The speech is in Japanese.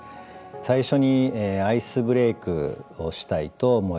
最初にアイスブレイクをしたいと思います。